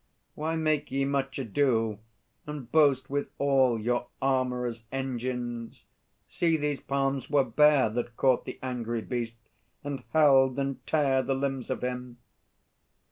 Why make ye much ado, and boast withal Your armourers' engines? See, these palms were bare That caught the angry beast, and held, and tare The limbs of him!